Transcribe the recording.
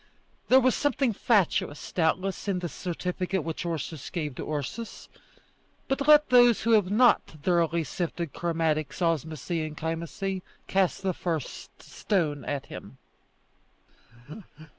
There was something fatuous, doubtless, in this certificate which Ursus gave to Ursus; but let those who have not thoroughly sifted chromatics, osmosy, and chymosy cast the first stone at him.